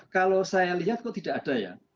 kalau saya lihat kok tidak ada ya